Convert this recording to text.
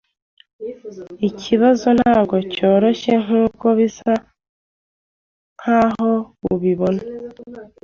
Ikibazo ntabwo cyoroshye nkuko bisa nkaho ubibona.